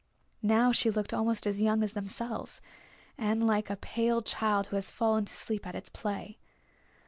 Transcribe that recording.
Now she looked almost as young as themselves, and like a pale child who has fallen to sleep at its play.